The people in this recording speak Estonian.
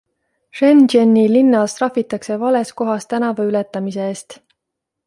Shenzheni linnas trahvitakse vales kohas tänava ületamise eest.